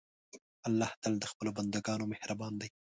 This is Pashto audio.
الله تل د خپلو بندهګانو مهربان دی.